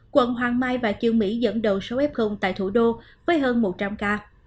quận hoàng mai và trương mỹ dẫn đầu số f tại thủ đô với hơn một trăm linh ca